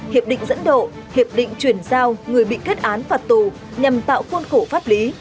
hiệp định dẫn độ hiệp định chuyển giao người bị kết án phạt tù nhằm tạo khuôn khổ pháp lý